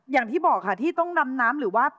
อย่างที่บอกค่ะที่ต้องดำน้ำหรือว่า